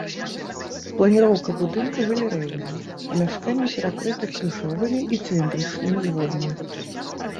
Планіроўка будынка галерэйная, памяшканні перакрыты крыжовымі і цыліндрычнымі зводамі.